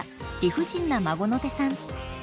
不尽な孫の手さん。